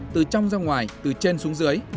từ trong ra ngoài từ trên xuống dưới